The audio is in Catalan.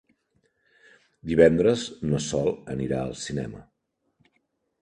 Divendres na Sol anirà al cinema.